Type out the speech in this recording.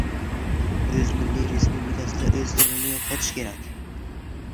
O‘z milliy respublikasida o‘z tilini yo‘qotishi kerak?